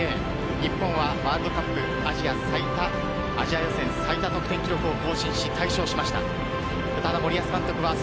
日本はワールドカップアジア最多、アジア予選最多得点記録を更新し、大勝しました。